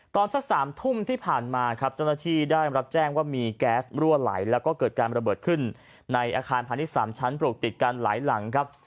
สัก๓ทุ่มที่ผ่านมาครับเจ้าหน้าที่ได้รับแจ้งว่ามีแก๊สรั่วไหลแล้วก็เกิดการระเบิดขึ้นในอาคารพาณิชย์๓ชั้นปลูกติดกันหลายหลังครับ